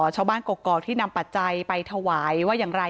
กกอกที่นำปัจจัยไปถวายว่าอย่างไร